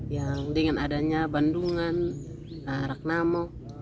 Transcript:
yang dengan adanya bandungan ragnamo